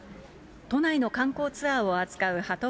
都内の観光ツアーを扱うはと